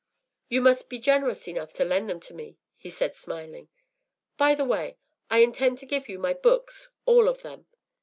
“You must be generous enough to lend them to me,” he said, smiling. “By the way, I intend to give you my books, all of them.